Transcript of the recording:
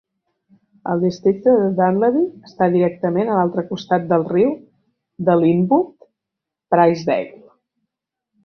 El districte de Dunlevy està directament a l'altre costat del riu de Lynnwood-Pricedale.